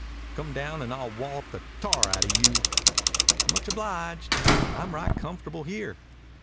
"Come down and I'll wallop the tar outa you." "Much obliged. I'm right comfortable here."